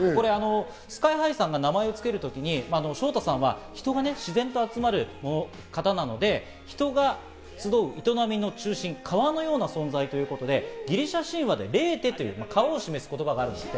ＳＫＹ−ＨＩさんが名前を付ける時にＳＨＯＴＡさんは人が自然と集まる方なので、人が集う営みの中心、川のような存在ということで、ギリシャ神話でＬｅｔｈｅという川を示す言葉があるんですって。